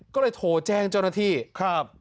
ก็เลยโทรแจ้งเจ้าหน้าที่ครับ